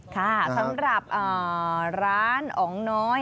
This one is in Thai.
ค่ะสำหรับร้านอ๋องน้อย